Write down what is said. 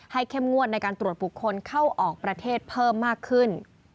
เข้มงวดในการตรวจบุคคลเข้าออกประเทศเพิ่มมากขึ้น